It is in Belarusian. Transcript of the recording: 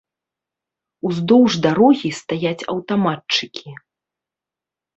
Уздоўж дарогі стаяць аўтаматчыкі.